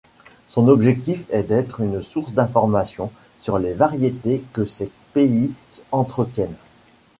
Son objectif est d'être une source d'information sur les variétés que ces pays entretiennent.